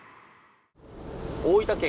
大分県